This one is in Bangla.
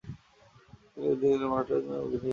তিনি হিন্দী এবং মারাঠা চলচ্চিত্রে অভিনয়ের জন্য সুপরিচিত।